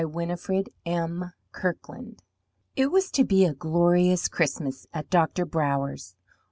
WINIFRED M. KIRKLAND It was to be a glorious Christmas at Doctor Brower's.